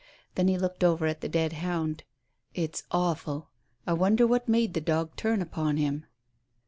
Then he looked over at the dead hound. "It's awful; I wonder what made the dog turn upon him?"